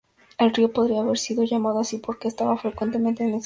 El río podría haber sido llamado así porque estaba frecuentemente en expansión.